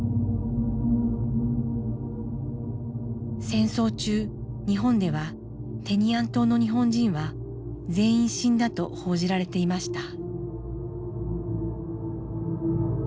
戦争中日本ではテニアン島の日本人は全員死んだと報じられていました。